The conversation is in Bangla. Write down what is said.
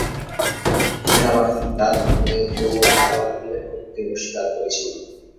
সেনাবাহিনী তার ভাঙ্গনের কোনও কারণ উল্লেখ করতে অস্বীকার করেছিল।